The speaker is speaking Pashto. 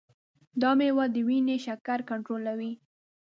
دا مېوه د وینې شکر کنټرولوي.